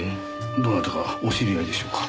どなたかお知り合いでしょうか？